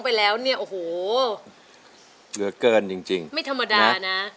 โปรดไทยมันลืมคนที่ทิ้งเราไป